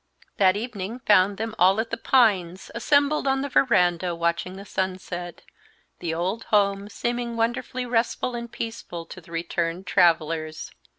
That evening found them all at The Pines, assembled on the veranda watching the sunset, the old home seeming wonderfully restful and peaceful to the returned travellers.